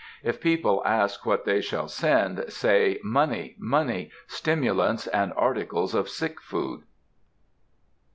If people ask what they shall send, say, "Money, money, stimulants, and articles of sick food."